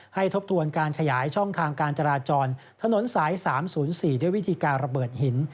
ทบทวนการขยายช่องทางการจราจรถนนสาย๓๐๔ด้วยวิธีการระเบิดหิน